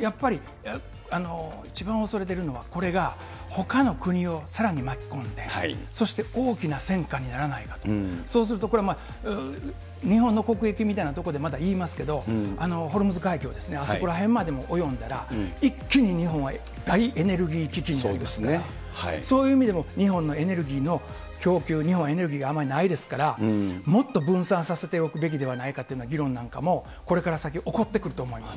やっぱり一番恐れているのは、これがほかの国をさらに巻き込んで、そして大きな戦火にならないか、そうすると、これ、日本の国益みたいなとこでまだ言いますけど、ホルムズ海峡ですね、あそこらへんまでも及んだら、一気に日本は大エネルギー危機になりますから、そういう意味でも、日本のエネルギーの供給、日本、エネルギーあまりないですから、もっと分散させておくべきではないかというような議論なんかもこれから先、起こってくると思います。